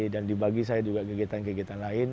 dan dibagi saya juga gegetan gegetan lain